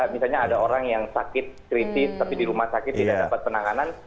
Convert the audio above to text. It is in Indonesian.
misalnya ada orang yang sakit kritis tapi di rumah sakit tidak dapat penanganan